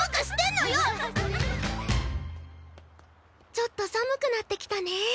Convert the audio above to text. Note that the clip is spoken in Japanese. ちょっと寒くなってきたね。